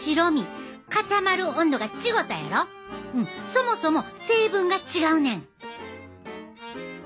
そもそも成分が違うねん。